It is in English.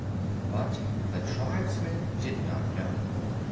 But the tribesmen did not know.